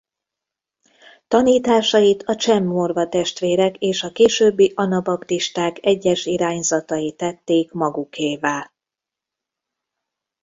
Tanításait a cseh-morva testvérek és a későbbi anabaptisták egyes irányzatai tették magukévá.